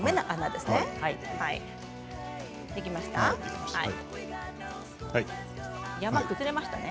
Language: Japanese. できましたか。